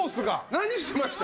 何しました？